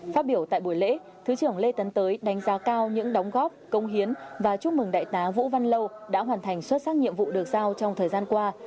phát biểu tại buổi lễ thứ trưởng lê tấn tới đánh giá cao những đóng góp công hiến và chúc mừng đại tá vũ văn lâu đã hoàn thành xuất sắc nhiệm vụ được giao trong thời gian qua